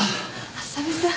浅見さん。